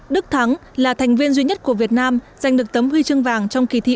đức thắng là thành viên duy nhất của việt nam giành được tấm huy chương vàng trong kỳ thị